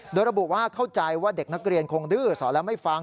โดยระบุว่าเข้าใจว่าเด็กนักเรียนคงดื้อสอนแล้วไม่ฟัง